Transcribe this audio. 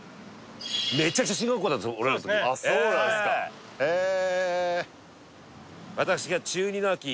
そうですねあっそうなんですかへえ